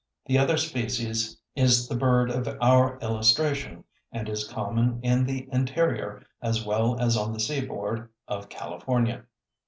The other species is the bird of our illustration, and is common in the interior as well as on the seaboard of California.